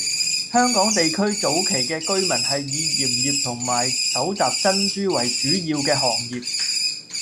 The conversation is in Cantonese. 香港地區早期嘅居民係以鹽業同埋搜集珍珠為主要嘅行業。